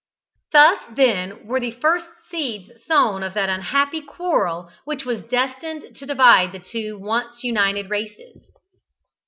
Thus, then, were the first seeds sown of that unhappy quarrel which was destined to divide the two once united races.